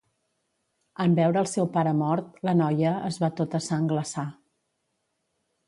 En veure el seu pare mort, la noia es va tota sangglaçar.